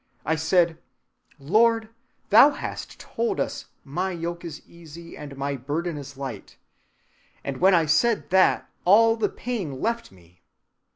I said, 'Lord, thou hast told us My yoke is easy and my burden is light,' and when I said that, all the pain left me.